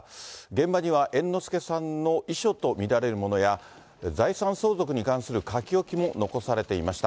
現場には猿之助さんの遺書と見られるものや、財産相続に関する書き置きも残されていました。